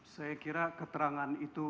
saya kira keterangan itu